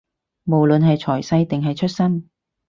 無論係財勢，定係出身